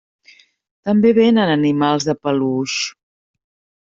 També venen animals de peluix.